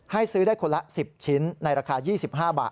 ซื้อได้คนละ๑๐ชิ้นในราคา๒๕บาท